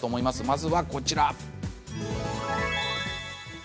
まずはこちらです。